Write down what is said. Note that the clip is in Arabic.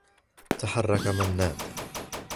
تحرّك منّاد.